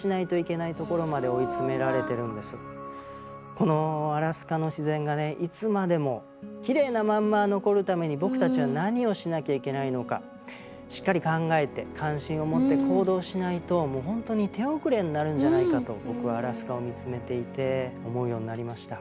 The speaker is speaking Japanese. このアラスカの自然がねいつまでもきれいなまんま残るために僕たちは何をしなきゃいけないのかしっかり考えて関心を持って行動しないともう本当に手遅れになるんじゃないかと僕はアラスカを見つめていて思うようになりました。